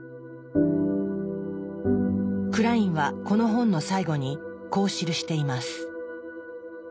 クラインはこの本の最後にこう記しています。